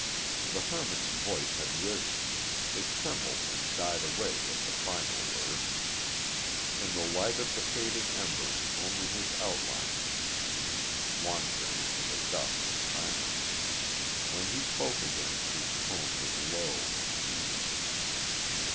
The hermit's voice had risen it trembled and died away with the final words. In the light of the fading embers only his outline could be seen wandering into the dusk and silence. When he spoke again his tone was low and even.